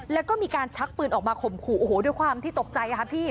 แล้วก็มีการชักปืนออกมาข่มขู่โอ้โหด้วยความที่ตกใจค่ะพี่